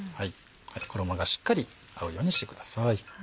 衣がしっかり合うようにしてください。